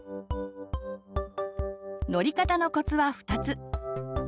乗り方のコツは２つ。